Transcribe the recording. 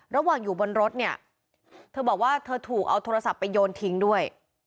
ระหว่างอยู่บนรถเนี่ยเธอบอกว่าเธอถูกเอาโทรศัพท์ไปโยนทิ้งด้วย